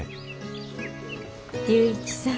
龍一さん